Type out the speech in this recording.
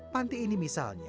panti ini misalnya